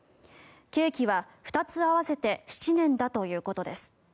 刑期は２つ合わせて７年だということです。